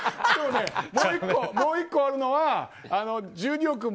もう１個あるのは１２億